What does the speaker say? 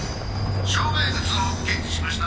障害物を検知しました。